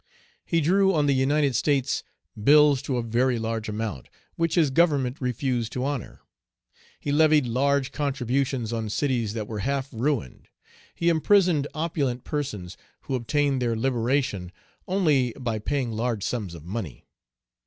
He drew on the United States bills to a very large amount, which his Government refused to honor. He levied large contributions on cities that were half ruined. He imprisoned opulent persons, who obtained their liberation only by paying large sums of money.